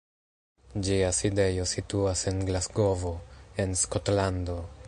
Ĝia sidejo situas en Glasgovo, en Skotlando.